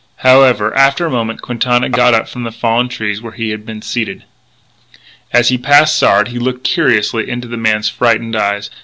However, after a moment, Quintana got up from the fallen tree where he had been seated. As he passed Sard he looked curiously into the man's frightened eyes.